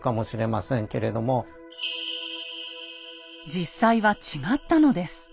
実際は違ったのです。